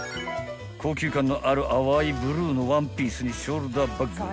［高級感のある淡いブルーのワンピースにショルダーバッグ］